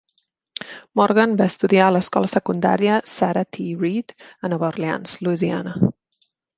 Morgan va estudiar a l'escola secundària Sarah T. Reed a Nova Orleans, Louisiana.